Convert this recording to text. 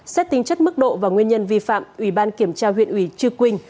xét tính chất mức độ và nguyên nhân vi phạm ủy ban kiểm tra huyện ủy chư quynh